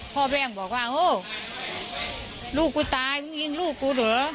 แม่งบอกว่าโอ้ลูกกูตายมึงยิงลูกกูเหรอ